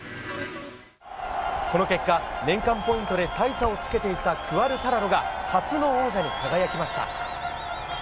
この結果、年間ポイントで大差をつけていたクアルタラロが初の王者に輝きました。